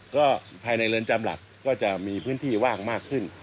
ก็ภายในเรือนจำหลักก็จะมีพื้นที่ว่างมากขึ้น